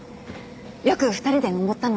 よく２人で登ったので。